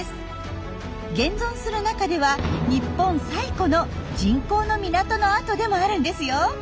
現存する中では日本最古の人工の港の跡でもあるんですよ。